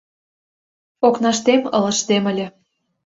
Окнаштем ылыжтем ыле